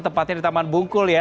tepatnya di taman bungkul ya